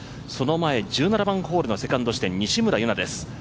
その前、１７番ホールセカンド地点西村優菜です。